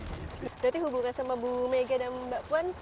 berarti hubungan sama bu mega dan mbak puan